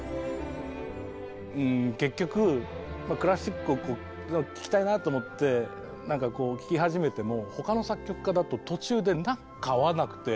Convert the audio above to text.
結局クラシックを聴きたいなと思ってなんかこう聴き始めても他の作曲家だと途中でなんか合わなくてあっ